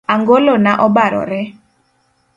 Angolo na obarore